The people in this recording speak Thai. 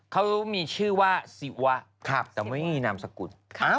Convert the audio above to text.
เขามีชื่อว่าศิวะแต่ไม่มีนามสกุล